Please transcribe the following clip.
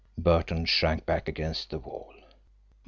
Burton shrank back against the wall.